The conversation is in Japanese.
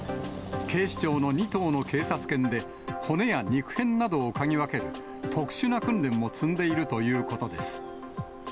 警視庁の２頭の警察犬で、骨や肉片などを嗅ぎ分ける特殊な訓練を積んでいるということです。